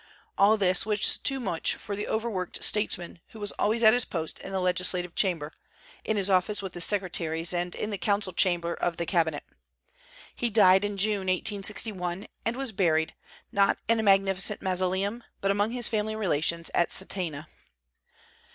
All this was too much for the overworked statesman, who was always at his post in the legislative chamber, in his office with his secretaries, and in the council chamber of the cabinet. He died in June, 1861, and was buried, not in a magnificent mausoleum, but among his family relations at Santena.